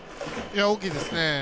大きいですね。